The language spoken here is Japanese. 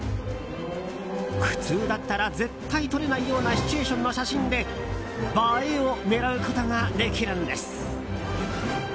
普通だったら絶対撮れないようなシチュエーションの写真で映えを狙うことができるんです。